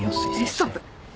ストップ！